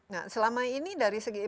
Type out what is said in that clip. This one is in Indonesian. nah selama ini dari segi